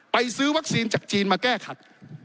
ซื้อวัคซีนจากจีนมาแก้ขัด